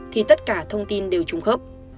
thì tất cả thông tin đều chung khớp